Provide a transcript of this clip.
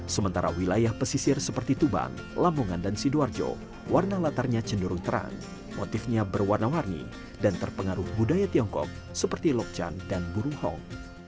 sementara wilayah pesisir seperti tubang lambungan dan sidoarjo warna latarnya cenderung terang motifnya berwarna warni dan terpengaruh budaya dan kain batik